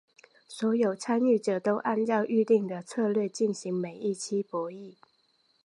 所有参与者都按照预定的策略进行每一期博弈。